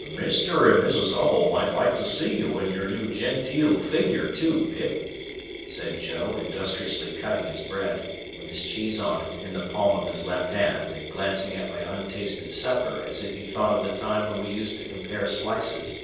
"Mr. and Mrs. Hubble might like to see you in your new gen teel figure too, Pip," said Joe, industriously cutting his bread, with his cheese on it, in the palm of his left hand, and glancing at my untasted supper as if he thought of the time when we used to compare slices.